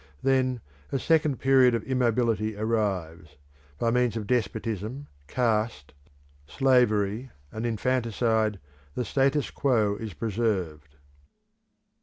Then a second period of immobility arrives; by means of despotism, caste, slavery, and infanticide, the status quo is preserved.